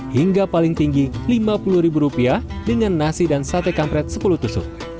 hingga paling tinggi rp lima puluh dengan nasi dan sate kampret sepuluh tusuk